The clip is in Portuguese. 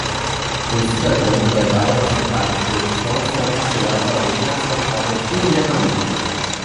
Os cidadãos das áreas afetadas pelo tufão são aconselhados a deixar suas casas imediatamente.